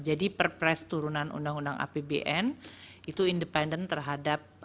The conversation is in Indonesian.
jadi perpres turunan undang undang apbn itu independen terhadap